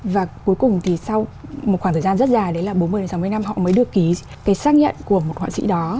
và cuối cùng thì sau một khoảng thời gian rất dài đấy là bốn mươi sáu mươi năm họ mới được ký cái xác nhận của một họa sĩ đó